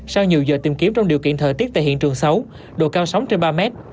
sau nhiều giờ tìm kiếm trong điều kiện thời tiết tại hiện trường xấu độ cao sóng trên ba mét